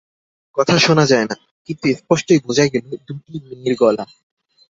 কথা শোনা যায় না, কিন্তু স্পষ্টই বোঝা গেল দুটিই মেয়ের গলা।